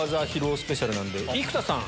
スペシャルなんで生田さん。